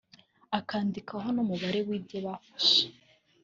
akandikaho n’umubare w’ibye bafashe